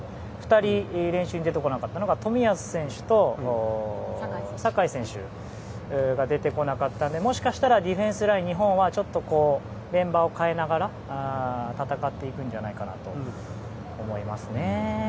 ２人、練習に出てこなかったのが冨安選手と酒井選手が出てこなかったのでもしかしたらディフェンスライン日本はちょっとメンバーを変えながら戦っていくと思いますね。